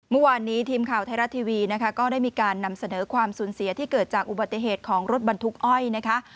เมื่อวานนี้ทีมข่าวไทยรัฐทีวีนะคะก็ได้มีการนำเสนอความสูญเสียที่เกิดจากอุบัติเหตุของรถบรรทุกอ้อยนะคะ